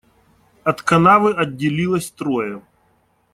От канавы отделилось трое.